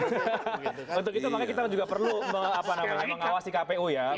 untuk itu makanya kita juga perlu mengawasi kpu ya